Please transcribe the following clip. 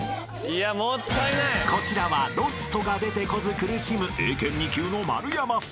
［こちらはｌｏｓｔが出てこず苦しむ英検２級の丸山さん］